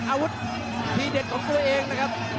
อาวุธทีเด็ดของตัวเองนะครับ